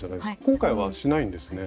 今回はしないんですね。